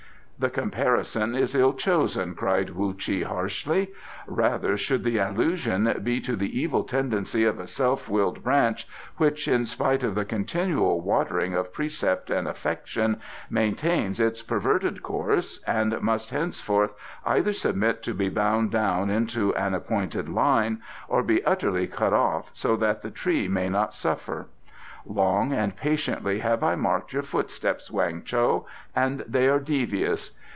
"The comparison is ill chosen," cried Whu Chi harshly. "Rather should the allusion be to the evil tendency of a self willed branch which, in spite of the continual watering of precept and affection, maintains its perverted course, and must henceforth either submit to be bound down into an appointed line, or be utterly cut off so that the tree may not suffer. Long and patiently have I marked your footsteps, Weng Cho, and they are devious.